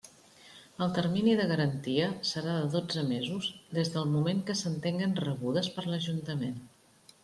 El termini de garantia serà de dotze mesos des del moment que s'entenguen rebudes per l'Ajuntament.